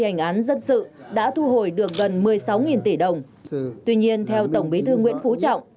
hành án dân sự đã thu hồi được gần một mươi sáu tỷ đồng tuy nhiên theo tổng bí thư nguyễn phú trọng